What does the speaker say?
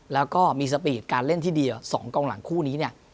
แล้วก็มีสปีดการเล่นที่เดียว๒กองหลังคู่นี้เนี่ย